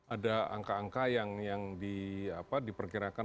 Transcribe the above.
ada angka angka yang diperkirakan